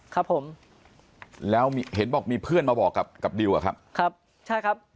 ครับผมแล้วเห็นบอกมีเพื่อนมาบอกกับกับดิวอะครับครับใช่ครับ